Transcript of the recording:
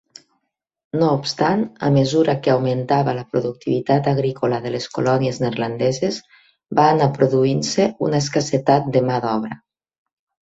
No obstant, a mesura que augmentava la productivitat agrícola de les colònies neerlandeses, va anar produint-se una escassedat de mà d'obra.